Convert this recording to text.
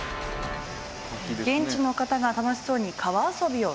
「現地の方が楽しそうに川遊びをしています」